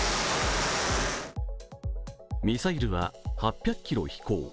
ミサイルは８００ｋｍ飛行。